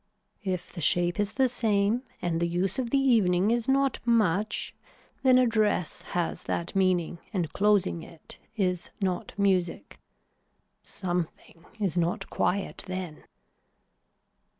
If the shape is the same and the use of the evening is not much then a dress has that meaning and closing it is not music. Something is not quiet then.